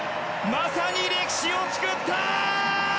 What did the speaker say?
まさに歴史を作った！